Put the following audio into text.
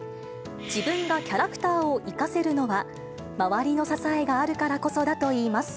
自分がキャラクターを生かせるのは、周りの支えがあるからこそだといいます。